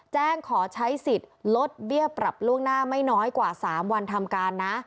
แจ้งขอใช้สิทธิ์ลดเบี้ยปรับล่วงหน้าไม่น้อยกว่า๓วันทำการนะ